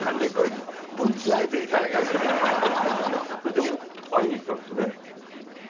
でも会いに行ったんですよね？